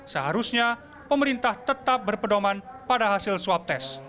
seharusnya pemerintah tetap berpedoman pada hasil swab tes